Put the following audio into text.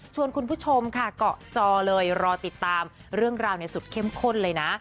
คุณผู้ชมค่ะเกาะจอเลยรอติดตามเรื่องราวในสุดเข้มข้นเลยนะ